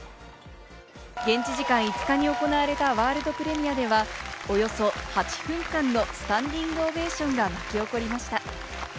現地時間５日に行われたワールドプレミアでは、およそ８分間のスタンディングオベーションが巻き起こりました。